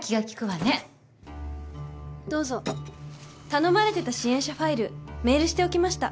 頼まれてた支援者ファイルメールしておきました。